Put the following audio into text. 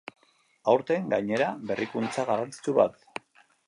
Aurten, gainera, berrikuntza garrantzitsu bat.